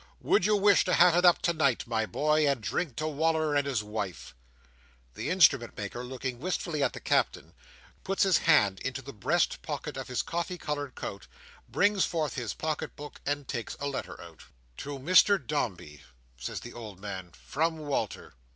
Would you wish to have it up tonight, my boy, and drink to Wal"r and his wife?" The Instrument maker, looking wistfully at the Captain, puts his hand into the breast pocket of his coffee coloured coat, brings forth his pocket book, and takes a letter out. "To Mr Dombey," says the old man. "From Walter.